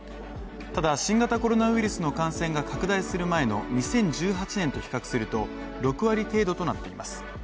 ただ新型コロナウイルスの感染が拡大する前の２０１８年と比較すると６割程度となっています。